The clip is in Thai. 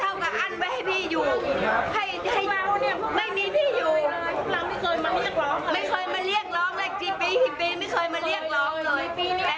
แต่อันนี้เราไม่ได้แล้วถ้าใครเป็นอะไรขึ้นมา